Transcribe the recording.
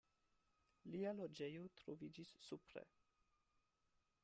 Lia loĝejo troviĝis supre.